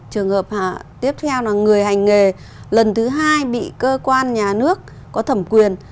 trường hợp tiếp theo là người hành nghề lần thứ hai bị cơ quan nhà nước có thẩm quyền